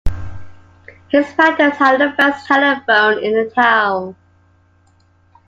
His practice had the first telephone in the town.